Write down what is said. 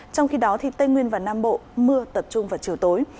trong khi đó tây nguyên và nam bộ mưa tập trung vào chiều tối